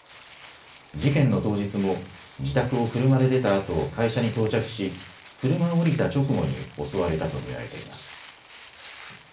事件の当日も自宅を車で出たあと会社に到着し、車を降りた直後に襲われたと見られています。